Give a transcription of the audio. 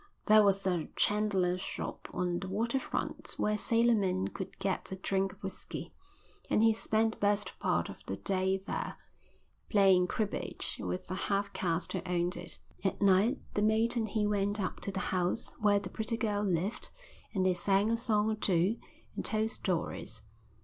There was a chandler's shop on the water front where sailormen could get a drink of whisky, and he spent the best part of the day there, playing cribbage with the half caste who owned it. At night the mate and he went up to the house where the pretty girl lived and they sang a song or two and told stories.